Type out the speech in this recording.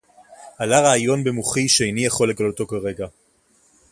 עָלָה רַעְיוֹן בְּמֹחִי, שֶׁאֵינִי יָכוֹל לְגַלּוֹתוֹ כָּרֶגַע.